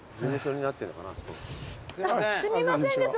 すみませんです